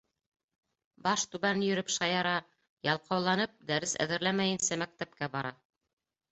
Баш түбән йөрөп шаяра, ялҡауланып, дәрес әҙерләмәйенсә мәктәпкә бара.